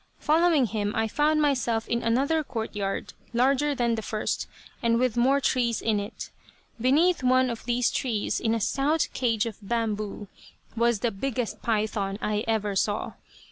Following him I found myself in another court yard, larger than the first, and with more trees in it. Beneath one of these trees, in a stout cage of bamboo, was the biggest python I ever saw.